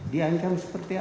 diancam seperti apa